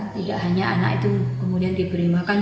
tidak hanya anak itu kemudian diberi makan